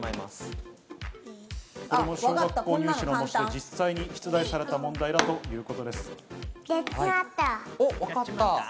小学校入試でも実際に出題された問題ということです。